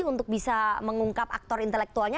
untuk bisa mengungkap aktor intelektualnya